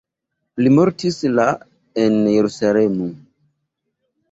Li mortis la en Jerusalemo.